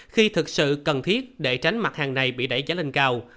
khi thực sự cần thiết để tránh mặt hàng này bị đẩy giá lên cao